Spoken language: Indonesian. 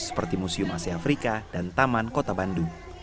seperti museum asia afrika dan taman kota bandung